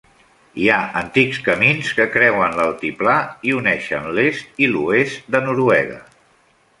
Hi ha antics camins que creuen l'altiplà i uneixen l'est i l'oest de Noruega.